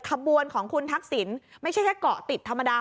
ขบวนของคุณทักษิณไม่ใช่แค่เกาะติดธรรมดา